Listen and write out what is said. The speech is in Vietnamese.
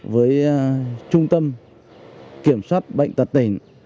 với trung tâm kiểm soát bệnh tật tỉnh